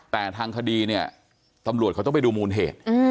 แต่ทางคดีเนี่ยตำรวจเขาต้องไปดูมูลเหตุ